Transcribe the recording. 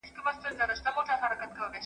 ځيني خلګ دا علم سياست بولي.